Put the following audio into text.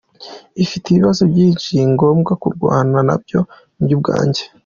Ifite ibibazo byinshi ngombwa kurwana nabyo njye ubwanjye.